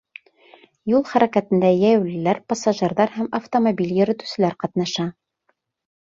Юл хәрәкәтендә йәйәүлеләр, пассажирҙар һәм автомобиль йөрөтөүселәр ҡатнаша.